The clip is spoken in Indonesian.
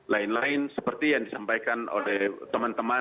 lain lain seperti yang disampaikan oleh teman teman